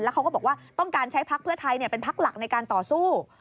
เขาก็บอกว่าต้องการใช้พักเพื่อไทยเป็นพักหลักในการต่อสู้